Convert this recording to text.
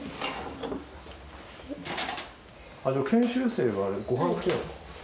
研修生はご飯付きなんですか？